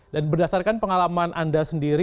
dan berdasarkan pengalaman anda sendiri